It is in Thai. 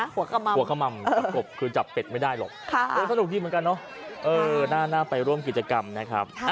ขม่ำหัวขม่ำประกบคือจับเป็ดไม่ได้หรอกสนุกดีเหมือนกันเนาะน่าไปร่วมกิจกรรมนะครับ